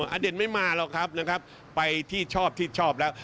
อาเดนไม่มาหรอกครับไปที่ชอบแล้ว